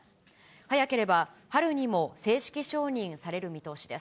早ければ春にも正式承認される見通しです。